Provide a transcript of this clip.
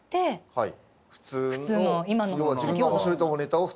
はい。